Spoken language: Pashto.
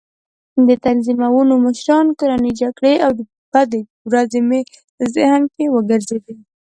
د تنظیمونو مشران، کورنۍ جګړې او بدې ورځې مې ذهن کې وګرځېدې.